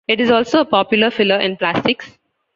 It is also a popular filler in plastics.